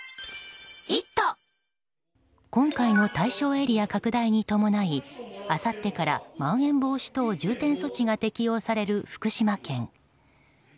今回の対象エリア拡大に伴いあさってからまん延防止等重点措置が適用される福島県。